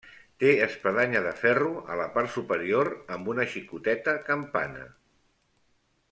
Té espadanya de ferro a la part superior, amb una xicoteta campana.